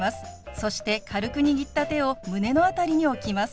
そして軽く握った手を胸の辺りに置きます。